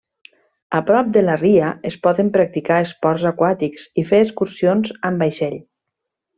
A prop de la ria, es poden practicar esports aquàtics i fer excursions amb vaixell.